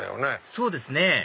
そうですね